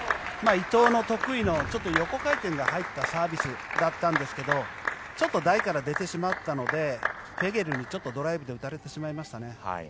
伊藤の得意の横回転が入ったサービスだったんですがちょっと台から出てしまったのでフェゲルにドライブで打たれてしまいましたね。